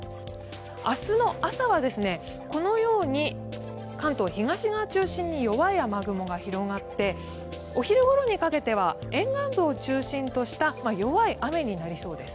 明日の朝はこのように関東東側を中心に弱い雨雲が広がってお昼ごろにかけては沿岸部を中心とした弱い雨になりそうです。